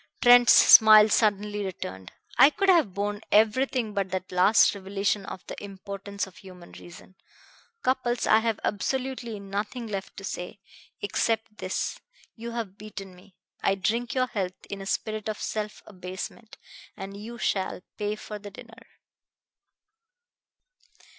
Trent's smile suddenly returned. "I could have borne everything but that last revelation of the impotence of human reason. Cupples, I have absolutely nothing left to say, except this: you have beaten me. I drink your health in a spirit of self abasement. And you shall pay for the dinner."